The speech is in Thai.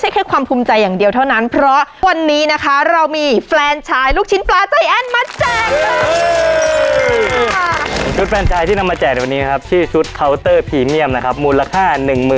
แต่ถ้าอยู่ระนาบเดียวกันสิ่งแสชัยกระซิบไว้ว่า